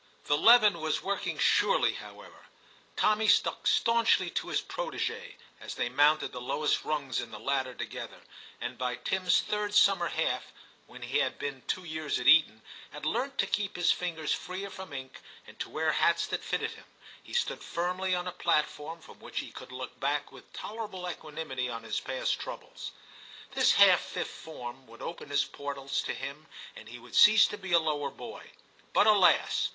VII TIM 143 The leaven was working surely, however. Tommy stuck staunchly to his prot6g6, as they mounted the lowest rungs in the ladder together, and by Tim's third summer half, when he had been two years at Eton, had learnt to keep his fingers freer from ink, and to wear hats that fitted him, he stood firmly on a platform from which he could look back with tolerable equanimity on his past troubles. This half Fifth Form would open its portals to him, and he would cease to be a lower boy ; but, alas!